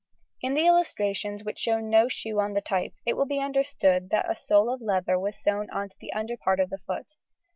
] In the illustrations which show no shoe on the tights, it will be understood that a sole of leather was sewn on to the under part of the foot.